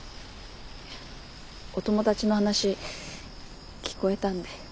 お友達の話聞こえたんで。